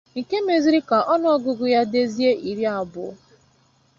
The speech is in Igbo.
nke mezịrị ka ọnụọgụgụ ya dịzie iri abụọ